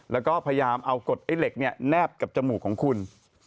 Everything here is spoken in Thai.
แล้วก็พยายามเอากดไอ้เหล็กแนบกับจมูกของคุณ